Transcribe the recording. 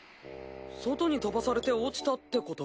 外に飛ばされて落ちたってこと？